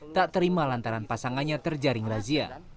tak terima lantaran pasangannya terjaring razia